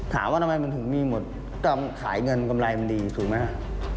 ถามว่าทำไมมันถึงมีหมดก็ขายเงินกำไรมันดีถูกไหม